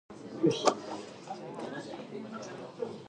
The station building still stands, but is not used for railway purposes.